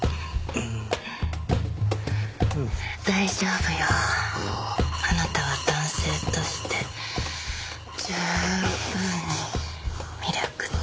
大丈夫よ。あなたは男性として十分に魅力的。